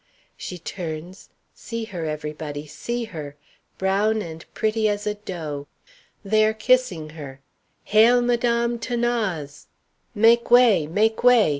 She turns; see her, everybody; see her! brown and pretty as a doe! They are kissing her. Hail, Madame 'Thanase! "Make way, make way!"